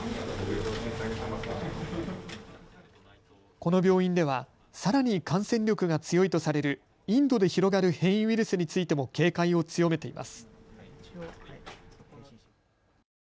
この病院では、さらに感染力が強いとされるインドで広がる変異ウイルスについても警戒を強めています。